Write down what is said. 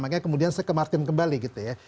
makanya kemudian saya kemarin kembali gitu ya